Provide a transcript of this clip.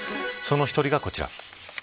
その１人がこちら。